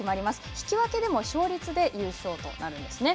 引き分けでも勝率で優勝となるんですね。